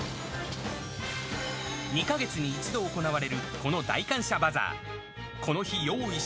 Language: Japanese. ２か月に１度行われる、この大感謝バザー。